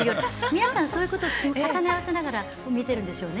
皆さん、そういうことと重ね合わせながら見ているんでしょうね。